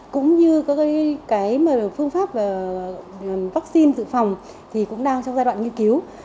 cũng như cái phương pháp vaccine dự phòng thì cũng đang trong giai đoạn nghiên cứu